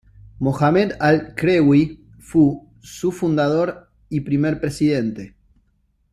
Mohamed Al-Krewi fu su fundador y primer presidente.